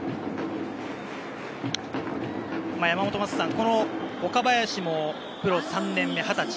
山本昌さん、岡林もプロ３年目、二十歳。